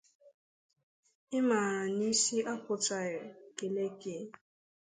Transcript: ị mara na isi apụtaraghị keleke